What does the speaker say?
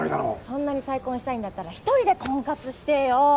そんなに再婚したいんだったら一人で婚活してよ